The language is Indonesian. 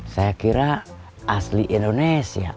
saya kira asli indonesia